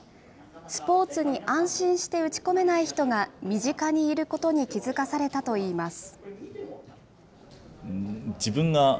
スポーツに安心して打ち込めない人が身近にいることに気付かされたといいます。